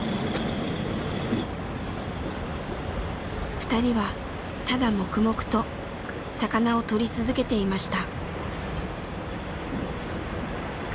ふたりはただ黙々と魚をとり続けていました。